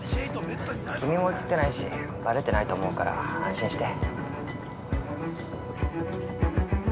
君も映ってないし、バレてないと思うから安心して。